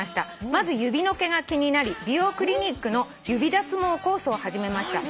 「まず指の毛が気になり美容クリニックの指脱毛コースを始めました」